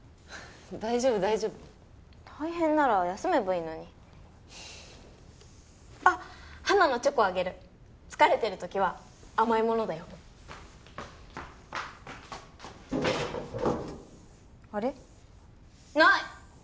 大丈夫大丈夫大変なら休めばいいのにあっハナのチョコあげる疲れてるときは甘いものだよあれ？